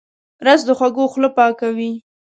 رس د خوږو خوله پاکوي